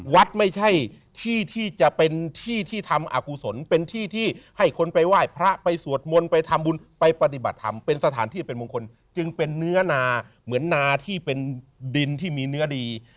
วัดไม่ใช่ที่ที่จะเป็นที่ที่ทำอากุศลเป็นที่ที่ให้คนไปไหว้พระไปสวดมนต์ไปทำบุญไปปฏิบัติธรรมเป็นสถานที่เป็นมงคลจึงเป็นเนื้อนาเหมือนนาที่เป็นดินที่มีเนื้อดี